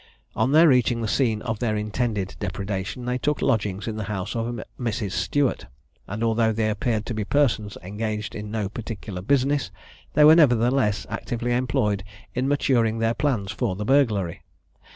On their reaching the scene of their intended depredation, they took lodgings in the house of a Mrs. Stewart; and although they appeared to be persons engaged in no particular business, they were nevertheless actively employed in maturing their plans for the burglary.